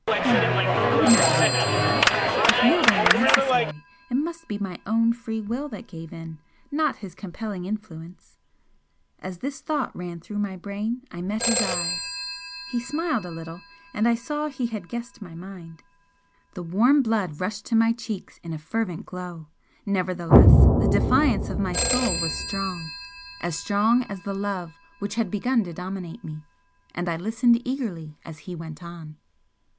No! I would not yield to that! If yielding were necessary, it must be my own free will that gave in, not his compelling influence! As this thought ran through my brain I met his eyes, he smiled a little, and I saw he had guessed my mind. The warm blood rushed to my cheeks in a fervent glow, nevertheless the defiance of my soul was strong as strong as the love which had begun to dominate me. And I listened eagerly as he went on.